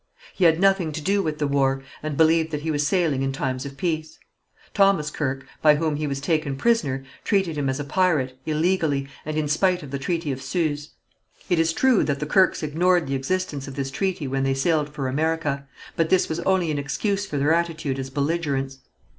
He had nothing to do with the war, and believed that he was sailing in times of peace. Thomas Kirke, by whom he was taken prisoner, treated him as a pirate, illegally, and in spite of the Treaty of Suze. It is true that the Kirkes ignored the existence of this treaty when they sailed for America, but this was only an excuse for their attitude as belligerents.